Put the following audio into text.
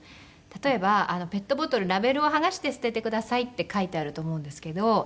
例えばペットボトル「ラベルを剥がして捨ててください」って書いてあると思うんですけど。